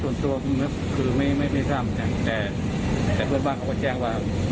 เนี่ยแต่แต่เพื่อนบ้านเขาก็แจ้งว่า